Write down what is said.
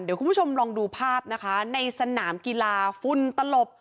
เดี๋ยวคุณผู้ชมลองดูภาพนะคะในสนามกีฬาฝุ่นตลบ